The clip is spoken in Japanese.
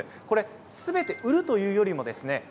これ、すべて売るというよりもですね